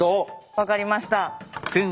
分かりました。